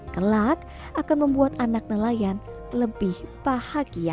kelak akan membuat anak nelayan lebih bahagia